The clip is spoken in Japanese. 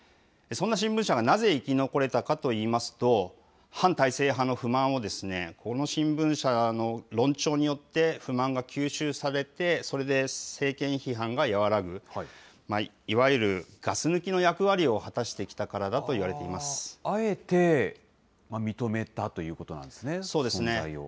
そんな新聞社がなぜ生き残れたかといいますと、反体制派の不満を、この新聞社の論調によって、不満が吸収されて、それで政権批判が和らぐ、いわゆるガス抜きの役割を果たしてきたからだといわれてあえて認めたということなんそうですね。